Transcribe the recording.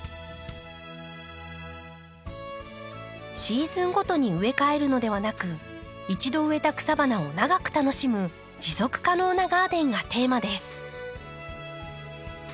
シーズンごとに植え替えるのではなく一度植えた草花を長く楽しむ持続可能なガーデンがテーマです。